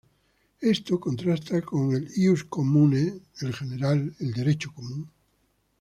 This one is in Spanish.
Esto contrasta con el ius commune, el general, el derecho común.